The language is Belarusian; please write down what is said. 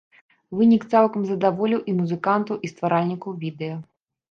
Вынік цалкам задаволіў і музыкантаў, і стваральнікаў відэа.